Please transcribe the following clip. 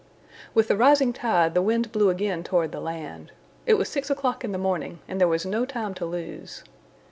With the rising tide the wind blew again toward the land. It was six o'clock in the morning, and there was no time to lose.